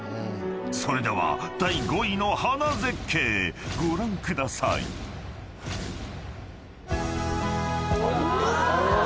［それでは第５位の花絶景ご覧ください］うわ！